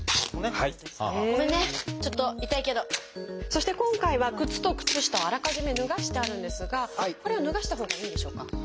そして今回は靴と靴下をあらかじめ脱がしてあるんですがこれは脱がしたほうがいいんでしょうか？